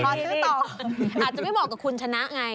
อาจจะเหมือนของคุณชนะไง